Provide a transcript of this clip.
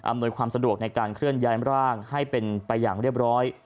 ความสะดวกในการเคลื่อนย้ายร่างให้เป็นไปอย่างเรียบร้อย